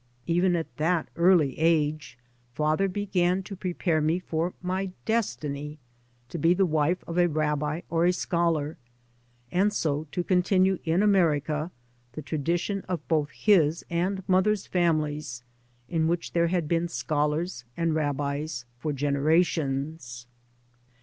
Even at that early age father began to pre pare me for my destiny, to be the wife of a rabbi or a scholar, and so to continue in America the tradition of both his and mother's families, in which there have been scholars and rabbis for generations.